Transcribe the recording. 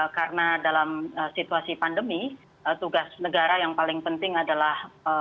karena dalam situasi pandemi tugas negara yang paling penting adalah